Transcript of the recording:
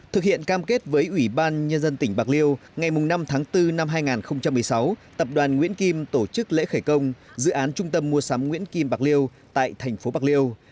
thực hiện cam kết với ủy ban nhân dân tỉnh bạc liêu ngày năm tháng bốn năm hai nghìn một mươi sáu tập đoàn nguyễn kim tổ chức lễ khởi công dự án trung tâm mua sắm nguyễn kim bạc liêu tại thành phố bạc liêu